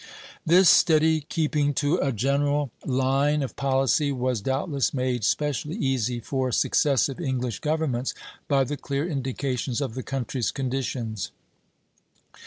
This steady keeping to a general line of policy was doubtless made specially easy for successive English governments by the clear indications of the country's conditions.